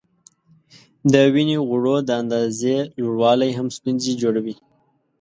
د وینې غوړو د اندازې لوړوالی هم ستونزې جوړوي.